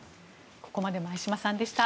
ここまで前嶋さんでした。